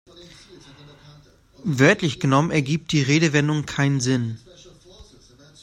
Wörtlich genommen ergibt die Redewendung keinen Sinn.